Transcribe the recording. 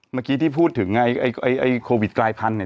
เมื่อกี้ที่พูดถึงไอ้โควิดกลายพันธุเนี่ย